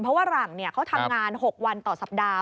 เพราะว่าหลังเขาทำงาน๖วันต่อสัปดาห์